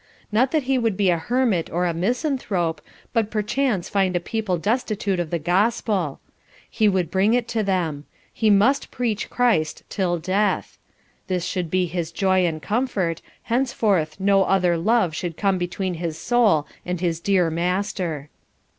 Not that he would be a hermit or misanthrope, but perchance find a people destitute of the gospel. He would bring it to them. He must preach Christ till death. This should be his joy and comfort; henceforth no other love should come between his soul and his dear Master.